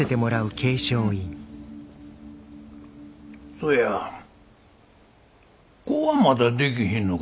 そや子はまだできひんのか？